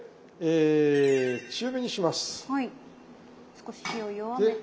少し火を弱めて。